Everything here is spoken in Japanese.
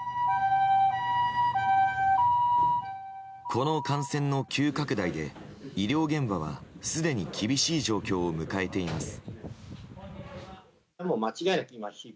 この感染の急拡大で医療現場はすでに厳しい状況を迎えています。